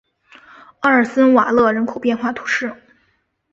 奥尔森瓦勒人口变化图示